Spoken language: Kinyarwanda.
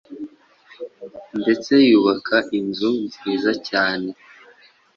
ndetse yubaka inzu nziza cyane